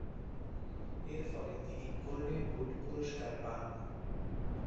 এরফলে তিনি golden boot পুরস্কার পান।